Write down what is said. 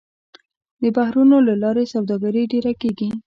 د بحرونو له لارې سوداګري ډېره کېږي.